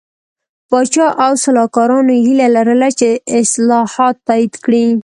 پاچا او سلاکارانو یې هیله لرله چې اصلاحات تایید کړي.